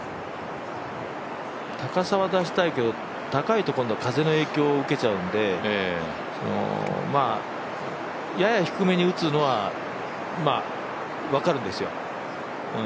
高さは出したいけど高いと今度風の影響を受けちゃうんでやや低めに打つのは分かるんですよ。